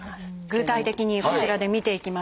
具体的にこちらで見ていきましょう。